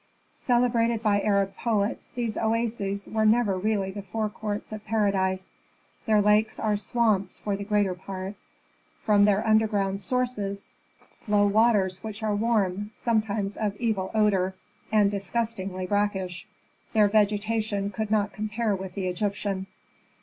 Celebrated by Arab poets, these oases were never really the forecourts of paradise. Their lakes are swamps for the greater part; from their underground sources flow waters which are warm, sometimes of evil odor, and disgustingly brackish; their vegetation could not compare with the Egyptian.